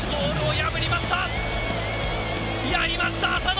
やりました、浅野！